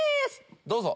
どうぞ。